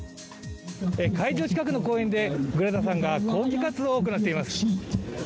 会場近くの公園でグレタさんが抗議活動を行っています。